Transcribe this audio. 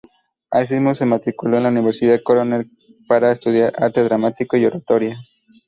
Asimismo, se matriculó en la Universidad Cornell para estudiar arte dramático y oratoria.